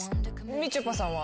みちょぱさんは？